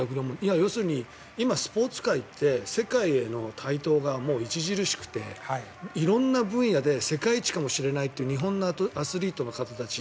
要するに今、スポーツ界って世界への台頭がもう著しくて、色んな分野で世界一かもしれないって日本のアスリートの方たち